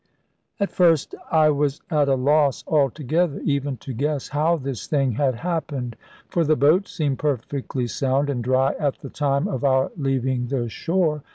At first I was at a loss altogether even to guess how this thing had happened; for the boat seemed perfectly sound and dry at the time of our leaving the shore.